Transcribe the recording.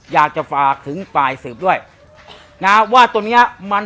อยากจะฝากถึงปลายสืบด้วยว่าตัวนี้มัน